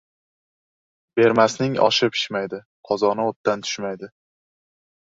• Bermasning oshi pishmaydi, qozoni o‘tdan tushmaydi.